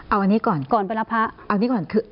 เอาอันนี้ก่อน